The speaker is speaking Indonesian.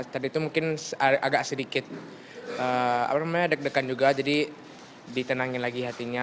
tadi itu mungkin agak sedikit deg degan juga jadi ditenangin lagi hatinya